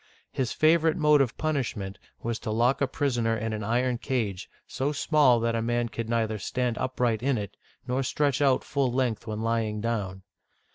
Hisf avorite mode of punishment was to lock a pris oner in an iron cage, so small that a man could neither stand upright in it, nor stretch out full length when lying down.